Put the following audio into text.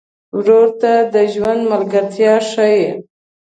ورور ته د ژوند ملګرتیا ښيي.